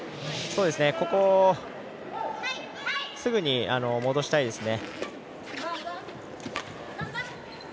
すぐに、戻したいですね。